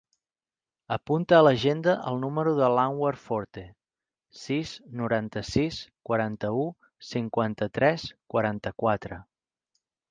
Apunta a l'agenda el número de l'Anwar Forte: sis, noranta-sis, quaranta-u, cinquanta-tres, quaranta-quatre.